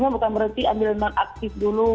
bukan berhenti ambil ambil aksis dulu